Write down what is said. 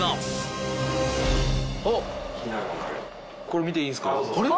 これ見ていいんすか？